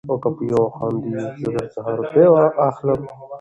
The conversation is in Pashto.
او که په يوه خاندې زه در څخه روپۍ اخلم.